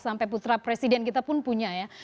sampai putra presiden kita pun punya ya